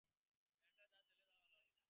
ছেলেটাকে তো জেলে দেওয়া যায় না।